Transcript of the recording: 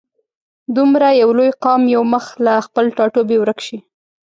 دومره یو لوی قام یو مخ له خپل ټاټوبي ورک شي.